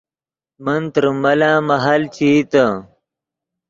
من تریم ملن مہل چے ایتے